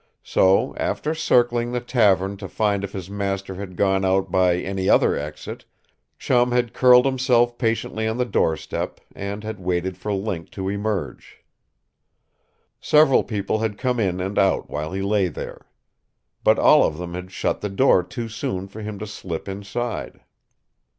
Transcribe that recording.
So, after circling the tavern to find if his master had gone out by any other exit, Chum had curled himself patiently on the doorstep and had waited for Link to emerge. Several people had come in and out while he lay there. But all of them had shut the door too soon for him to slip inside.